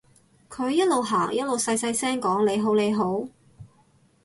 佢一路行一路細細聲講你好你好